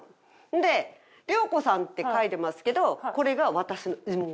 で涼子さんって書いてますけどこれが私の妹。